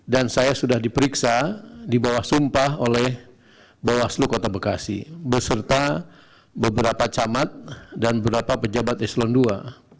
dan saya sudah diperiksa di bawah sumpah oleh bawaslu kota bekasi beserta beberapa camat dan beberapa pejabat islam ii